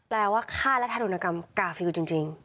ว่าฆ่าและทารุณกรรมกาฟิลจริง